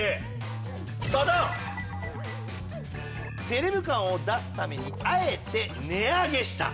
「セレブ感を出すためにあえて値上げした」